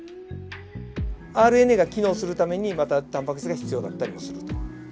ＲＮＡが機能するためにまたタンパク質が必要だったりもすると。